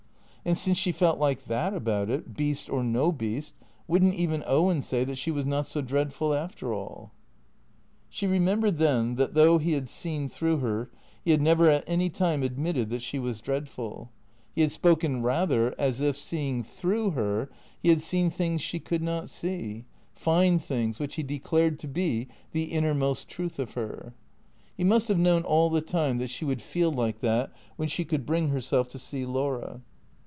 And since she felt like that about it, beast or no beast, would n't even Owen say that she was not so dreadful after all ? She remembered then that, though he had seen through her, he had never at any time admitted that she was dreadful. He 388 THE CREATORS had spoken rather as if, seeing through her, he had seen things she could not see, fine things which he declared to be the inner most truth of her. He must have known all the time that she would feel like that when she could bring herself to see Laura.